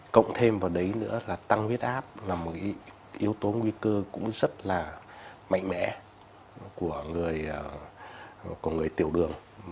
cộng thêm vào đấy nữa là tăng huyết áp là một yếu tố nguy cơ cũng rất là mạnh mẽ của người của người tiểu đường